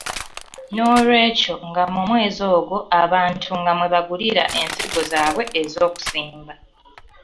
Noolwekyo nga mu mwezi ogwo abantu nga mwe bagulira ensigo zaabwe ez'okusimba.